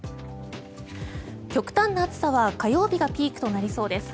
極端な暑さは火曜日がピークとなりそうです。